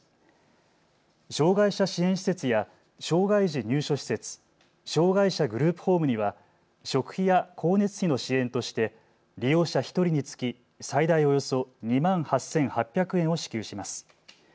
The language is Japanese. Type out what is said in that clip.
障害者支援施設や障害児入所施設、障害者グループホームには食費や光熱費への支援として利用者１人につき最大およそ２万８８００円を支給します。